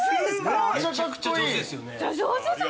めちゃくちゃ上手ですよね。